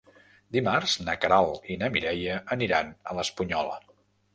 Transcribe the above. Dimarts na Queralt i na Mireia aniran a l'Espunyola.